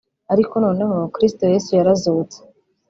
Ariko noneho Kristo Yesu yarazutse